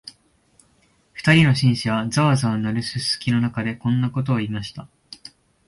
二人の紳士は、ざわざわ鳴るすすきの中で、こんなことを言いました